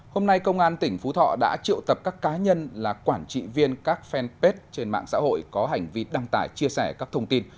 hôm nay công an tỉnh phú thọ đã triệu tập các cá nhân là quản trị viên các fanpage trên mạng xã hội có hành vi đăng tải chia sẻ các thông tin